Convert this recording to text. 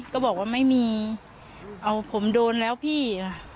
ก็บอกว่าไม่มีเอาผมโดนแล้วพี่